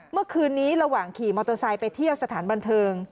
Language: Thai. เมื่อคืนนี้ระหว่างขี่มอเตอร์ไซค์ไปเที่ยวสถานบันเทิง